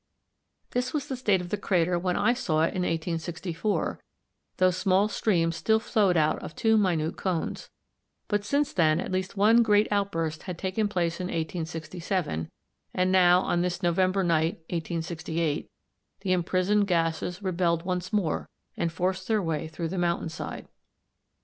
This was the state of the crater when I saw it in 1864, though small streams still flowed out of two minute cones; but since then at least one great outburst had taken place in 1867, and now on this November night, 1868, the imprisoned gases rebelled once more and forced their way through the mountain side.